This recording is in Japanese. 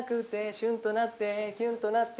シュンとなってキュンとなって